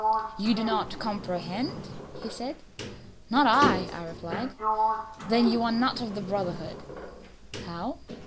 "You do not comprehend?" he said. "Not I," I replied. "Then you are not of the brotherhood." "How?"